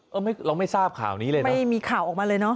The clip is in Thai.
เราไม่ทราบข่าวนี้เลยนะไม่มีข่าวออกมาเลยเนาะ